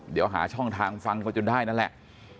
เดี๋ยวหาช่องทางฟังเขาจนได้นั่นแหละ